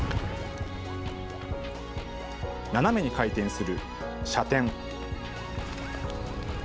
斜めに回転する斜転。